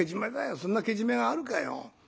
そんなけじめがあるかよ」。